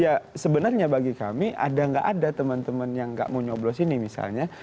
ya sebenarnya bagi kami ada nggak ada teman teman yang nggak mau nyoblos ini misalnya